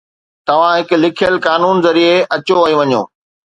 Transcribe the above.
توهان هڪ لکيل قانون ذريعي اچو ۽ وڃو